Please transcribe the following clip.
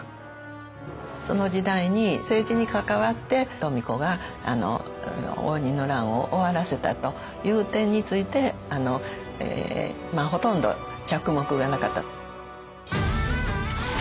その時代に政治に関わって富子が応仁の乱を終わらせたという点についてほとんど着目がなかった。